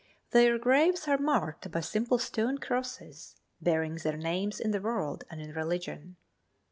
Their graves are marked by simple stone crosses, bearing their names in the world and in religion.